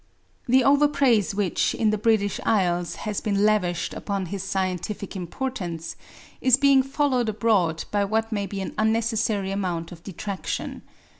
The over praise which, in the British Isles, has been lavished upon his scientific importance is being followed abroad by what may be an unnecessary amount of detraction.